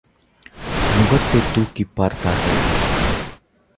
முகத்தைத் தூக்கிப் பார்த்தார்கள்.